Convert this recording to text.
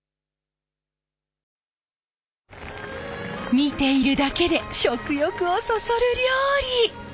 見ているだけで食欲をそそる料理！